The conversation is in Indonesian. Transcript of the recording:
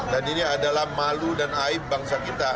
dan ini adalah malu dan aib bangsa kita